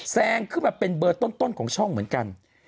แซงขึ้นมาเป็นเบอร์ต้นของช่องเหมือนกัน